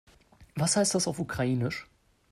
Was heißt das auf Ukrainisch?